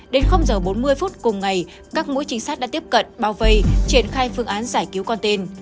đến giờ bốn mươi phút cùng ngày các mũi trinh sát đã tiếp cận bao vây triển khai phương án giải cứu con tên